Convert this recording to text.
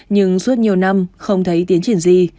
nhưng suốt nhiều năm không thấy tiến triển gì